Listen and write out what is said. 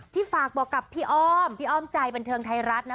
ฝากบอกกับพี่อ้อมพี่อ้อมใจบันเทิงไทยรัฐนะ